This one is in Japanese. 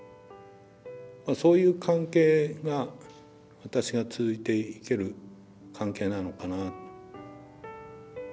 そういう関係が私が続いていける関係なのかな。